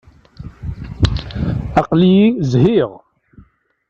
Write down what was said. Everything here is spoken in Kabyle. Aql-iyi zhiɣ.